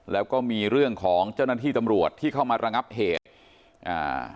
แล้วก็มีเรื่องของเจ้าหน้าที่ตำรวจที่เข้ามาระงับเหตุอ่า